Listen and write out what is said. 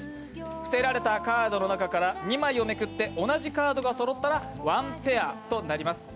伏せられたカードの中から２枚をめくって同じカードがそろったらワンペアとなります。